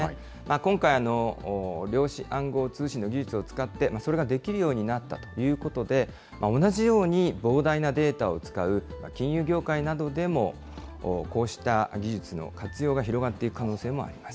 今回、量子暗号通信の技術を使って、それができるようになったということで、同じように膨大なデータを使う金融業界などでも、こうした技術の活用が広がっていく可能性もあります。